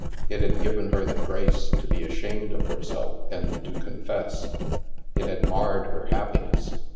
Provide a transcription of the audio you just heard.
It had given her the grace to be ashamed of herself and to confess. It had marred her happiness.